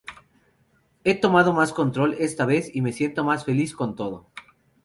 He tomado más control esta vez y me siento más feliz con todo"".